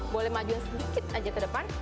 boleh majuin sedikit aja ke depan